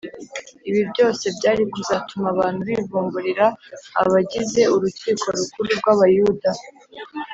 ibi byose byari kuzatuma abantu bivumburira abagize urukiko rukuru rw’abayuda